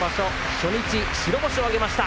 初日白星を挙げました。